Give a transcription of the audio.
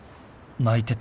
泣いてて。